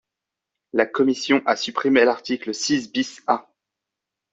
La commission a supprimé l’article six bis A.